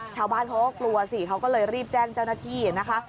ชาวบ้านเขาก็กลัวสิเขาก็เลยรีบแจ้งเจ้าหน้าที่นะคะ